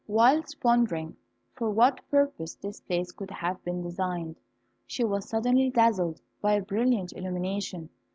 Whilst pondering for what purpose this place could have been designed, she was suddenly dazzled by a brilliant illumination.